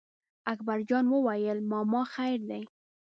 اکبر جان وویل: ماما خیر دی.